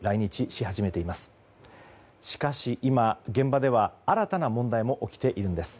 しかし、今、現場では新たな問題も起きているんです。